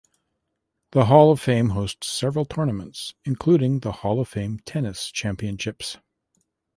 The Hall of Fame hosts several tournaments, including the Hall of Fame Tennis Championships.